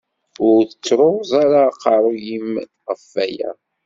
Ur ttruẓ ara aqerru-m ɣef aya!